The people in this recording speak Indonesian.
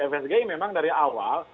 fsgi memang dari awal